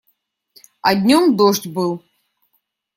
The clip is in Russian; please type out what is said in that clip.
А днём дождь был.